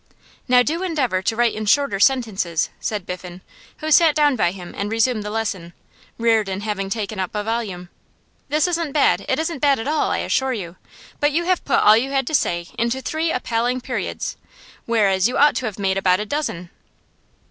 'Now do endeavour to write in shorter sentences,' said Biffen, who sat down by him and resumed the lesson, Reardon having taken up a volume. 'This isn't bad it isn't bad at all, I assure you; but you have put all you had to say into three appalling periods, whereas you ought to have made about a dozen.